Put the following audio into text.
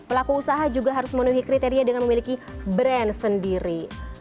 pelaku usaha juga harus memenuhi kriteria dengan memiliki brand sendiri